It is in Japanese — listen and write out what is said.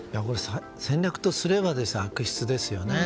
戦略とすれば悪質ですよね。